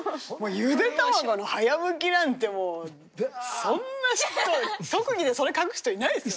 ゆで卵の早むきなんてもうそんな人特技でそれ書く人いないですよ。